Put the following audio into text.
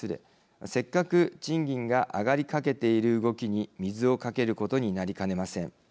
せっかく賃金が上がりかけている動きに水をかけることになりかねません。